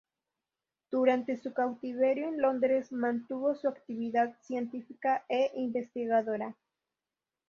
Durante su cautiverio en Londres mantuvo su actividad científica e investigadora.